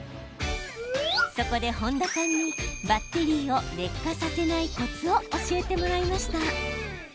そこで、本多さんにバッテリーを劣化させないコツを教えてもらいました。